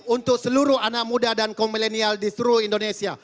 untuk seluruh anak muda dan kaum milenial di seluruh indonesia